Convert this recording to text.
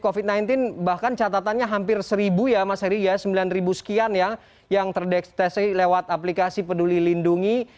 covid sembilan belas bahkan catatannya hampir seribu ya mas heri ya sembilan ribu sekian ya yang terdekstesi lewat aplikasi peduli lindungi